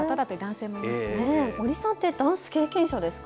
森さんってダンス経験者ですか？